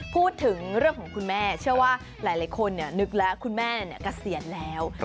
พูดถึงเรื่องของคุณแม่เชื่อว่าหลายคนนึกแล้วคุณแม่เกษียณแล้ว